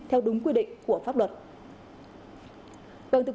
theo đúng quy định của pháp luật